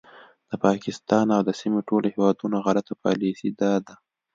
د پاکستان او د سیمې ټولو هیوادونو غلطه پالیسي دا ده